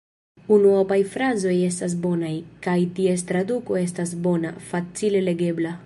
Unuopaj frazoj estas bonaj, kaj ties traduko estas bona, facile legebla.